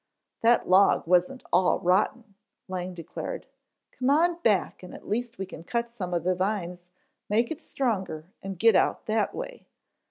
"That log wasn't all rotten," Lang declared. "Come on back and at least we can cut some of the vines, make it stronger and get out that way."